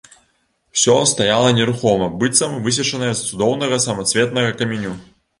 Усё стаяла нерухома, быццам высечанае з цудоўнага самацветнага каменю.